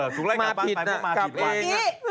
ถูกไล่บานไปว่ามันมาผิดวัน